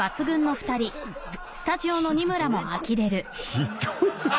ひどい！